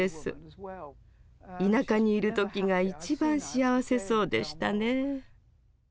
田舎にいる時が一番幸せそうでしたね。